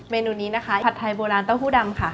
เมนูนี้นะคะผัดไทยโบราณเต้าหู้ดำค่ะ